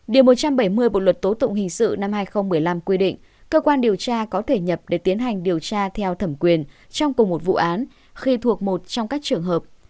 điều một trăm bảy mươi bộ luật tố tụng hình sự năm hai nghìn một mươi năm quy định cơ quan điều tra có thể nhập để tiến hành điều tra theo thẩm quyền trong cùng một vụ án khi thuộc một trong các trường hợp